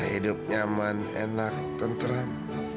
aduh hidup nyaman enak tenteran